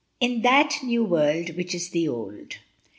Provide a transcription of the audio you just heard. In that new world which is the old.